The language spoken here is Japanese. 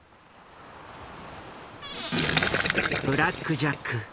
「ブラック・ジャック」